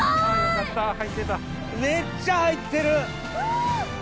めっちゃ入ってる。